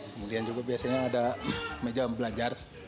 kemudian juga biasanya ada meja belajar